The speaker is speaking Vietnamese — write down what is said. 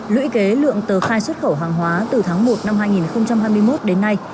lũy kế lượng tờ khai xuất khẩu hàng hóa từ tháng một năm hai nghìn hai mươi một đến nay